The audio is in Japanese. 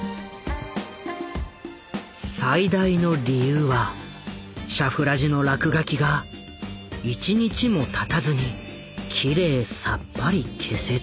最大の理由はシャフラジの落書きが１日もたたずにきれいさっぱり消せたこと。